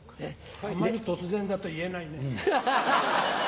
あまり突然だと言えないね。